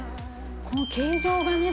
この形状がね